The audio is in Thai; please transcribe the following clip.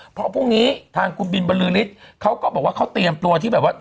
เพราะพรุ่งนี้ทางคุณบินบรือฤทธิ์เขาก็บอกว่าเขาเตรียมตัวที่แบบว่า